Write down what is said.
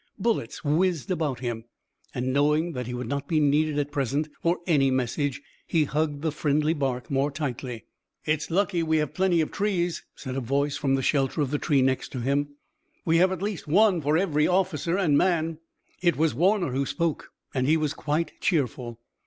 Bullets whizzed about him, and, knowing that he would not be needed at present for any message, he hugged the friendly bark more tightly. "It's lucky we have plenty of trees," said a voice from the shelter of the tree next to him. "We have at least one for every officer and man." It was Warner who spoke and he was quite cheerful.